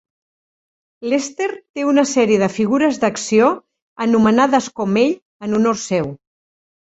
Lester té una sèrie de figures d'acció anomenades com ell en honor seu.